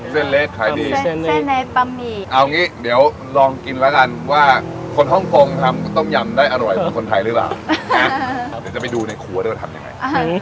เส้นเล็กขายดีเส้นในบะหมี่เอางี้เดี๋ยวลองกินแล้วกันว่าคนฮ่องกงทำต้มยำได้อร่อยเหมือนคนไทยหรือเปล่านะเดี๋ยวจะไปดูในครัวด้วยว่าทำยังไง